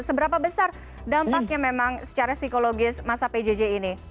seberapa besar dampaknya memang secara psikologis masa pjj ini